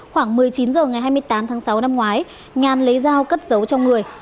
khoảng một mươi chín h ngày hai mươi tám tháng sáu năm ngoái nhàn lấy dao cất dấu cho người